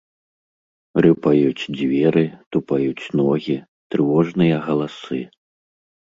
Рыпаюць дзверы, тупаюць ногі, трывожныя галасы.